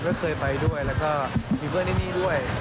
ก็เคยไปด้วยแล้วก็มีเพื่อนที่นี่ด้วย